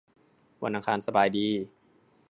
วันอังคารสบายดี